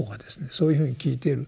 そういうふうに聞いている。